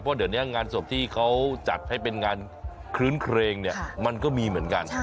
เพราะเดี๋ยวนี้งานศพที่เขาจัดให้เป็นงานคลื้นเครงเนี่ยมันก็มีเหมือนกัน